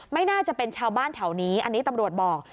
ไม่น่าจะเป็นชาวบ้านแถวนี้อันนี้ตำรวจบอก